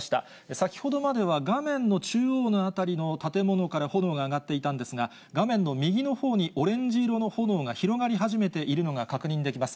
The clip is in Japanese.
先ほどまでは画面の中央の辺りの建物から炎が上がっていたんですが、画面の右のほうにオレンジ色の炎が広がり始めているのが確認できます。